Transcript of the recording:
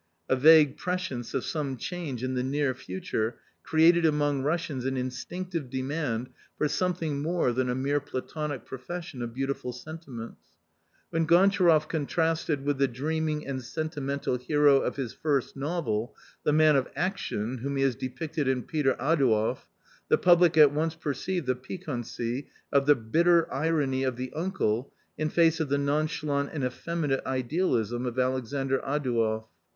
A vague prescience of some change in the near future created among Russians an instinctive demand for something more than a mere platonic profession of beautiful sentiments. When Gon tcharoff contrasted with the dreaming and sentimental hero of his first novel the man of action whom he has depicted in Peter Adouev, the public at once perceived the piquancy of the bitter irony of the uncle in face of the nonchalant and effeminate idealism of Alexandr Adouev.